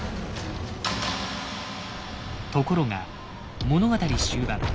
ところが物語終盤。